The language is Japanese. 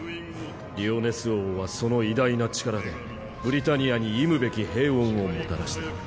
リオネス王はその偉大な力でブリタニアに忌むべき平穏をもたらした。